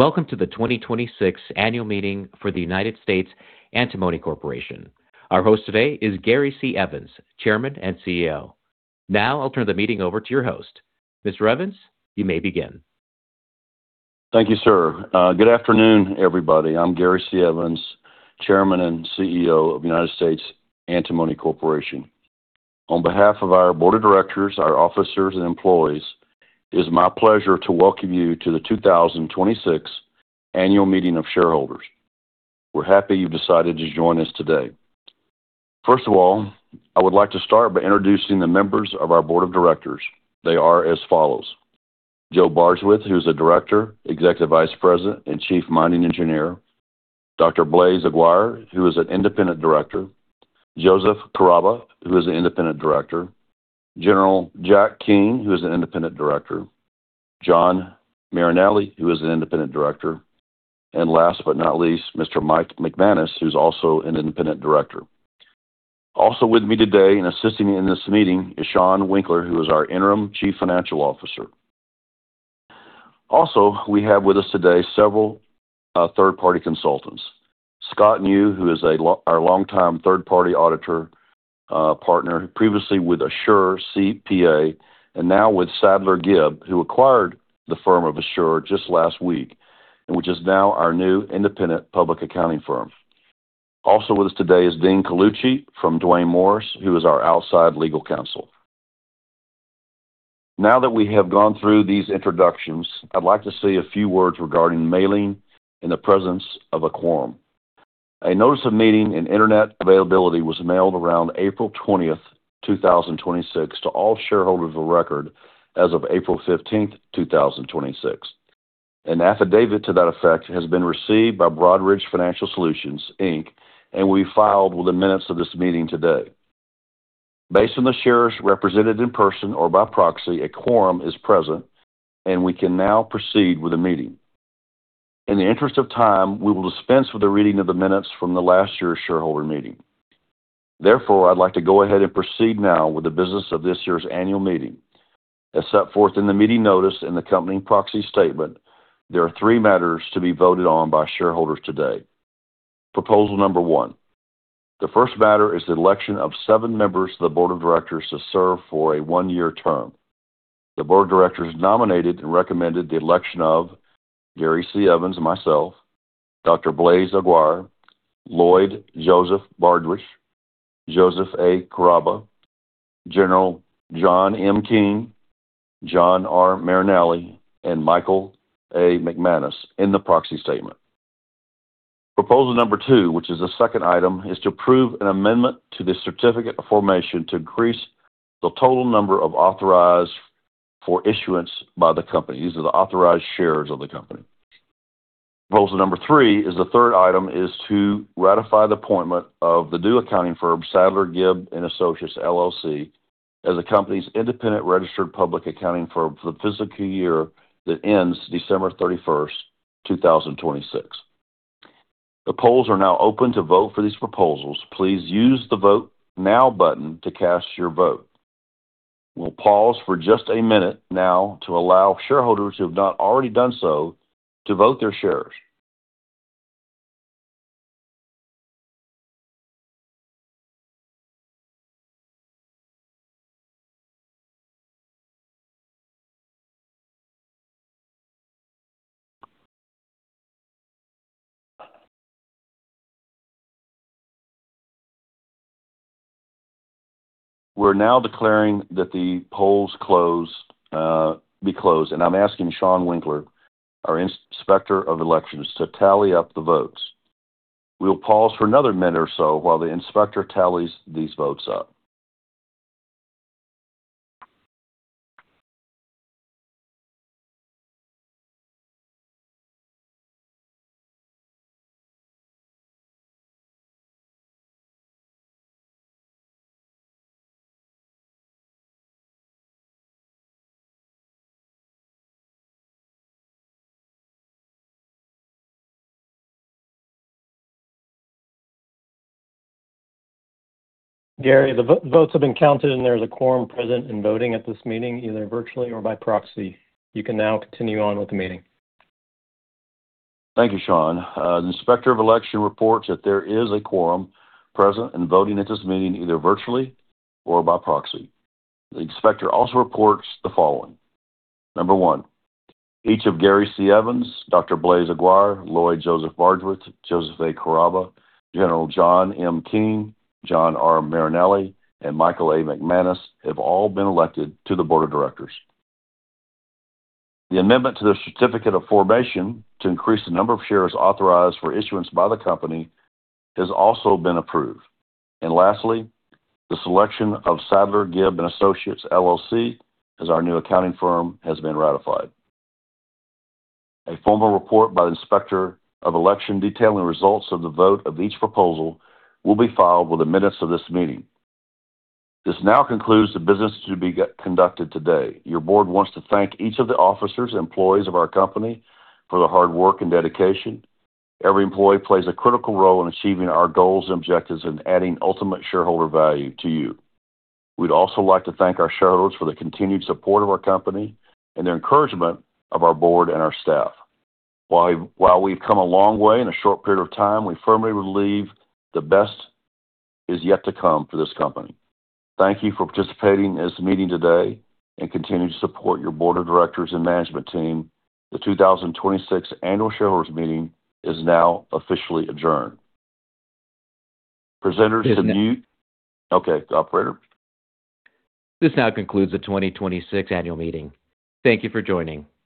Welcome to the 2026 Annual Meeting for the United States Antimony Corporation. Our host today is Gary C. Evans, Chairman and CEO. I'll turn the meeting over to your host. Mr. Evans, you may begin. Thank you, sir. Good afternoon, everybody. I'm Gary C. Evans, Chairman and CEO of United States Antimony Corporation. On behalf of our Board of Directors, our officers, and employees, it is my pleasure to welcome you to the 2026 annual meeting of shareholders. We're happy you decided to join us today. First of all, I would like to start by introducing the members of our Board of Directors. They are as follows. Joe Bardswich, who's a Director, Executive Vice President, and Chief Mining Engineer. Dr. Blaise Aguirre, who is an Independent Director. Joseph Carrabba, who is an Independent Director. General Jack Keane, who is an Independent Director. Jon Marinelli, who is an Independent Director. Last but not least, Mr. Mike McManus, who's also an Independent Director. Also with me today and assisting me in this meeting is Shawn Winkler, who is our Interim Chief Financial Officer. We have with us today several third-party consultants. Scott New, who is our longtime third-party auditor partner, previously with Assure CPA and now with Sadler Gibb, who acquired the firm of Assure just last week, which is now our new Independent Public Accounting Firm. Also with us today is Dean Colucci from Duane Morris, who is our outside legal counsel. Now that we have gone through these introductions, I'd like to say a few words regarding mailing in the presence of a quorum. A notice of meeting and internet availability was mailed around April 20th, 2026, to all shareholders of record as of April 15th, 2026. An affidavit to that effect has been received by Broadridge Financial Solutions Inc. and will be filed with the minutes of this meeting today. Based on the shares represented in person or by proxy, a quorum is present, we can now proceed with the meeting. In the interest of time, we will dispense with the reading of the minutes from the last year's shareholder meeting. Therefore, I'd like to go ahead and proceed now with the business of this year's annual meeting. As set forth in the meeting notice and the accompanying proxy statement, there are three matters to be voted on by shareholders today. Proposal number one. The first matter is the election of seven members of the Board of Directors to serve for a one-year term. The Board of Directors nominated and recommended the election of Gary C. Evans, myself, Dr. Blaise Aguirre, Lloyd Joseph Bardswich, Joseph A. Carrabba, General John M. Keane, Jon R. Marinelli, and Michael A. McManus in the proxy statement. Proposal number two, which is the second item, is to approve an amendment to the certificate of formation to increase the total number of authorized for issuance by the company. These are the authorized shares of the company. Proposal number three is the third item is to ratify the appointment of the new accounting firm, Sadler, Gibb & Associates, LLC, as the company's independent registered public accounting firm for the fiscal year that ends December 31, 2026. The polls are now open to vote for these proposals. Please use the Vote Now button to cast your vote. We'll pause for just a minute now to allow shareholders who have not already done so to vote their shares. We're now declaring that the polls be closed, and I'm asking Shawn Winkler, our inspector of elections, to tally up the votes. We'll pause for another minute or so while the inspector tallies these votes up. Gary, the votes have been counted. There's a quorum present in voting at this meeting, either virtually or by proxy. You can now continue on with the meeting. Thank you, Shawn. The inspector of election reports that there is a quorum present in voting at this meeting, either virtually or by proxy. The inspector also reports the following. Number 1, each of Gary C. Evans, Dr. Blaise Aguirre, Lloyd Joseph Bardswich, Joseph A. Carrabba, General John M. Keane, Jon R. Marinelli, and Michael A. McManus have all been elected to the board of directors. The amendment to the certificate of formation to increase the number of shares authorized for issuance by the company has also been approved. Lastly, the selection of Sadler, Gibb & Associates, LLC as our new accounting firm has been ratified. A formal report by the inspector of election detailing results of the vote of each proposal will be filed with the minutes of this meeting. This now concludes the business to be conducted today. Your board wants to thank each of the officers and employees of our company for their hard work and dedication. Every employee plays a critical role in achieving our goals and objectives and adding ultimate shareholder value to you. We'd also like to thank our shareholders for the continued support of our company and their encouragement of our board and our staff. While we've come a long way in a short period of time, we firmly believe the best is yet to come for this company. Thank you for participating in this meeting today and continuing to support your board of directors and management team. The 2026 Annual Shareholders meeting is now officially adjourned. Presenters to mute. Okay, operator. This now concludes the 2026 annual meeting. Thank you for joining.